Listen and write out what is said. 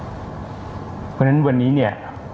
เพราะฉะนั้นวันนี้เนี่ย